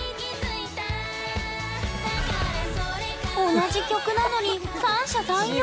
同じ曲なのに三者三様。